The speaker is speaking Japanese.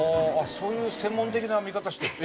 そういう専門的な見方してるの？